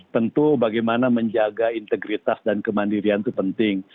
tentu bagaimana menjaga integritas dan kemandirian itu penting